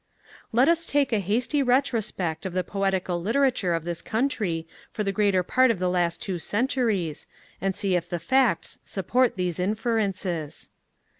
Let us take a hasty retrospect of the poetical literature of this Country for the greater part of the last two centuries, and see if the facts support these inferences.